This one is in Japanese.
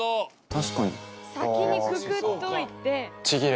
確かに。